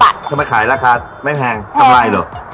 ทำไมขายราคาไม่แพงกำไรเหรอ